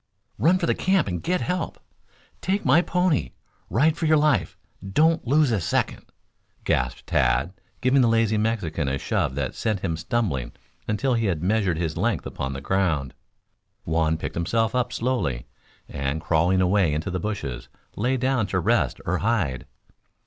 "Run to the camp and get help! Take my pony! Ride for your life! Don't lose a second!" gasped Tad, giving the lazy Mexican a shove that sent him stumbling until he had measured his length upon the ground. Juan picked himself up slowly; and, crawling away into the bushes, lay down to rest or hide.